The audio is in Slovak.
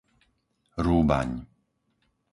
Rúbaň